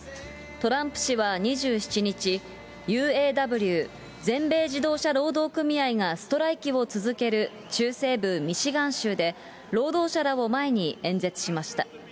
トランプ氏は２７日、ＵＡＷ・全米自動車労働組合がストライキを続ける中西部ミシガン州で、労働者らを前に演説しました。